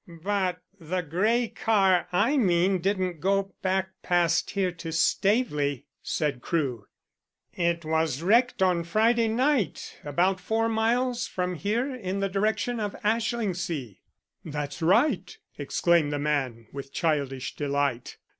"But the grey car I mean didn't go back past here to Staveley," said Crewe. "It was wrecked on Friday night about four miles from here in the direction of Ashlingsea." "That's right," exclaimed the man, with childish delight.